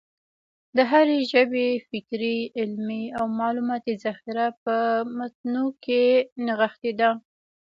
د هري ژبي فکري، علمي او معلوماتي ذخیره په متونو کښي نغښتې ده.